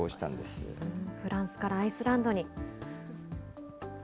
フランスからアイスランドに。